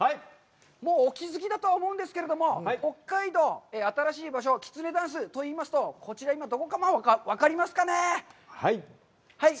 もうお気づきだとは思うんですけれども、北海道、新しい場所、きつねダンスといいますと、といいますと、こちら今、どこか分かりますかね？